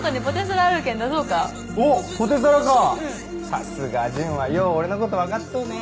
さすが純はよう俺のことわかっとうね。